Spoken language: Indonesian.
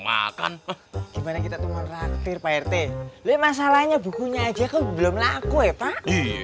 makan gimana kita tuh ngertir pak rt masalahnya bukunya aja belum laku ya pak